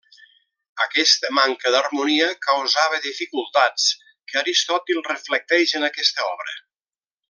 Aquesta manca d'harmonia causava dificultats que Aristòtil reflecteix en aquesta obra.